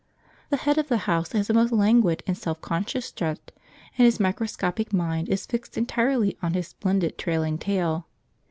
The head of the house has a most languid and self conscious strut, and his microscopic mind is fixed entirely on his splendid trailing tail.